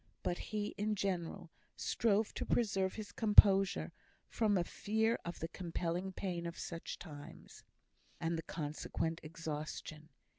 But he, in general, strove to preserve his composure, from a fear of the compelling pain of such times, and the consequent exhaustion.